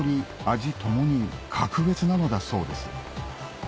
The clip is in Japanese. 味共に格別なのだそうです